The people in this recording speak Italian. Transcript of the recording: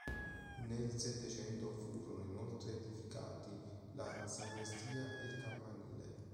Nel Settecento furono, inoltre, edificati la sacrestia ed il campanile.